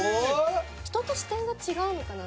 人と視点が違うのかな。